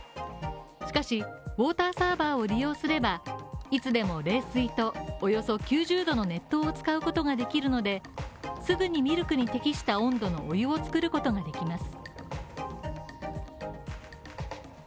しかし、ウォーターサーバーを利用すれば、いつでも冷水と、およそ９０℃の熱湯を使うことができるので、すぐにミルクに適した温度のお湯を作ることができます。